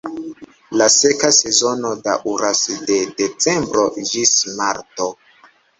La seka sezono daŭras de decembro ĝis marto.